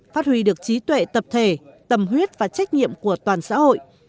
phát huy được trí tuệ tập thể tầm huyết và trách nhiệm của toàn xã hội